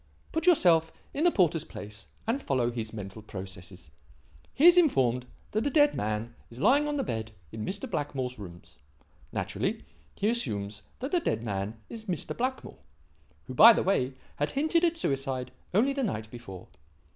Put yourself in the porter's place and follow his mental processes. He is informed that a dead man is lying on the bed in Mr. Blackmore's rooms. Naturally, he assumes that the dead man is Mr. Blackmore who, by the way, had hinted at suicide only the night before.